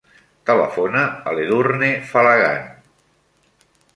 Telefona a l'Edurne Falagan.